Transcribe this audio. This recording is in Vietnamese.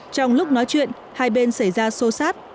trong lúc nói chuyện hai bên xảy ra sô sát